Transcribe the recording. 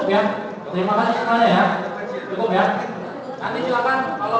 yang kami pendalamkan